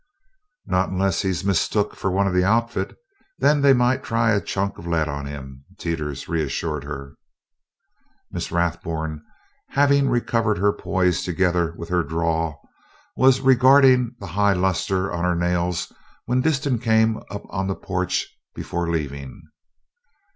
"Not unless he's mistook for one of the Outfit, then they might try a chunk of lead on him," Teeters reassured her. Miss Rathburn, having recovered her poise together with her drawl, was regarding the high luster on her nails when Disston came up on the porch before leaving.